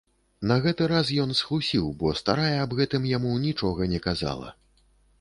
На гэты раз ён схлусіў, бо старая аб гэтым яму нічога не казала.